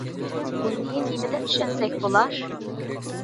بۇنى نېمە دەپ چۈشەنسەك بولار؟